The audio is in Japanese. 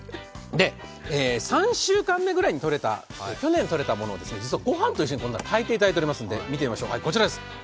３週間目ぐらいに去年とれたものをご飯と一緒に炊いてもらっていますので見てみましょう。